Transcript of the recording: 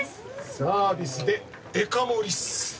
サービスで「デカ」盛りっす。